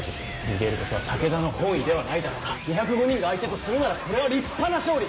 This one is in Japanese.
逃げることは武田の本意ではないだろうが２０５人が相手とするならこれは立派な勝利！